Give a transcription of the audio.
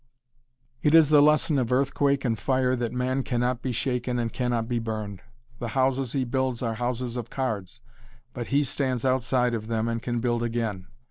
It is the lesson of earthquake and fire that man cannot be shaken and cannot be burned. The houses he builds are houses of cards, but he stands outside of them and can build again.